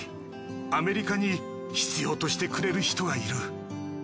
アメリカに必要としてくれる人がいる。